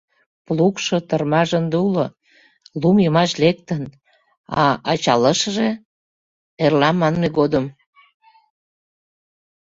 Плугшо, тырмаже ынде уло, лум йымач лектын, а ачалышыже — эрла манме годым.